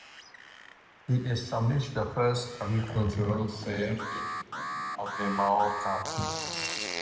He established the first agricultural fair in Albemarle County.